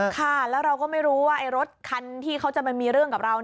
ค่ะแล้วเราก็ไม่รู้ว่ารถคันที่เขาจะไปมีเรื่องกับเรา